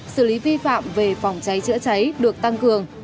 xử lý vi phạm về phòng cháy chữa cháy được tăng cường